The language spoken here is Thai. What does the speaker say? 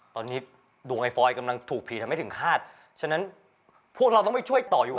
ตอนนี้ดวงไอฟอยกำลังถูกผีทำให้ถึงฆาตฉะนั้นพวกเราต้องไปช่วยต่ออยู่